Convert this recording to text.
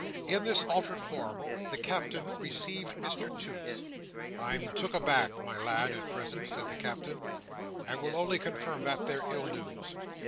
In this altered form, the Captain received Mr Toots. "I'm took aback, my lad, at present," said the Captain, "and will only confirm that there ill news.